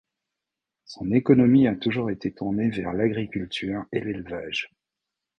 Son économie a toujours été tournée vers l'agriculture et l'élevage.